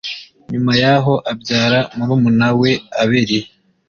nyuma yaho abyara murumuna we abeli